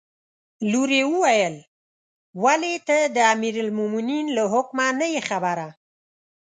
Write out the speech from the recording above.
لور یې وویل: ولې ته د امیرالمؤمنین له حکمه نه یې خبره.